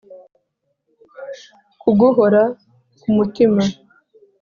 ku guhora ku mutima